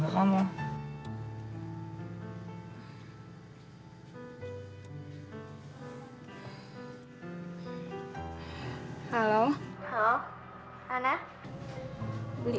kalau enggan kayak gini